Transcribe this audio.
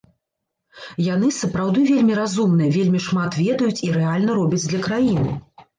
Яны сапраўды вельмі разумныя, вельмі шмат ведаюць і рэальна робяць для краіны.